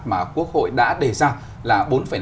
mà quốc hội đã đề ra là bốn năm